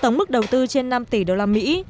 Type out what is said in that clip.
tổng mức đầu tư trên năm tỷ đô la mỹ